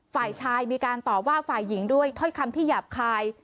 ฝ่ายชายมีการตอบว่าฝ่ายหญิงด้วยถ้อยคำที่หยาบคาย